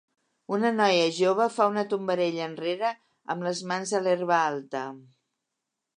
Una noia jove fa una tombarella enrere amb les mans a l'herba alta.